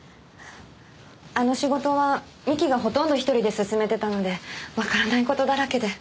あの仕事は三木がほとんど１人で進めていたのでわからないことだらけで。